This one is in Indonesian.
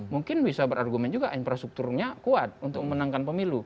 mungkin bisa berargumen juga infrastrukturnya kuat untuk memenangkan pemilu